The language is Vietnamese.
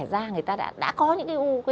da người ta đã có những cái u